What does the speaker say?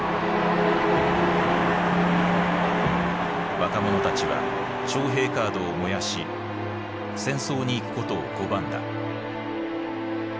若者たちは徴兵カードを燃やし戦争に行くことを拒んだ。